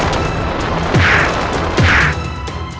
kisah kisah yang terjadi di dalam hidupku